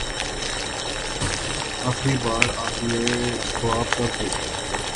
آخری بار آپ نے خواب کب دیکھا؟